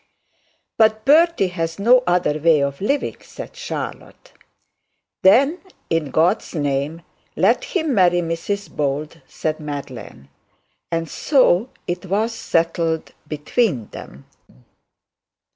'But Bertie has no other way of living,' said Charlotte. 'Then, in God's name, let him marry Mrs Bold,' said Madeline. And so it was settled between them.